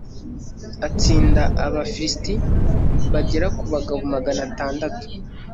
atsinda abafilisti bagera ku bagabo magana atandatu